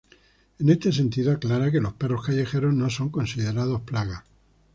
En este sentido, aclara que los perros callejeros no son considerados plaga.